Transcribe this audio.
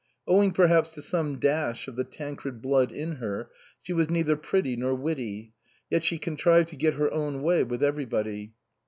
Ow ing perhaps to some dash of the Tancred blood in her, she was neither pretty nor witty ; yet she contrived to get her own way with every body.